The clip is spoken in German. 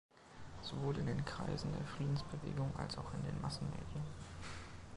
Sowohl in den Kreisen der Friedensbewegung als auch in den Massenmedien.